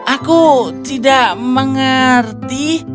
aku tidak mengerti